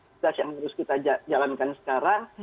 tugas yang harus kita jalankan sekarang